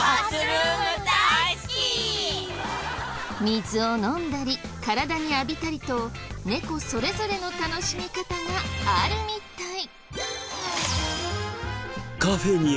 水を飲んだり体に浴びたりとネコそれぞれの楽しみ方があるみたい。